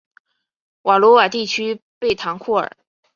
瓦卢瓦地区贝唐库尔。